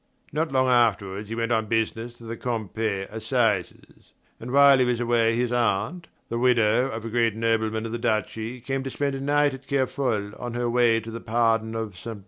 Not long afterward he went on business to the Quimper Assizes; and while he was away his aunt, the widow of a great nobleman of the duchy, came to spend a night at Kerfol on her way to the pardon of Ste.